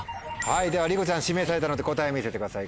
ではりこちゃん指名されたので答え見せてください。